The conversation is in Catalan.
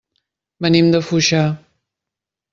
Venim de Foixà.